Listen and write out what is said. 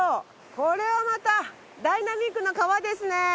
これはまたダイナミックな川ですね。